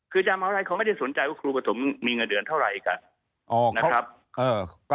คือจะเหมาไรเขาไม่ได้สนใจว่าครูปฐมมีเงินเดือนเท่าไหร่ค่ะ